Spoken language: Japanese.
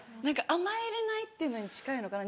甘えれないっていうのに近いのかな？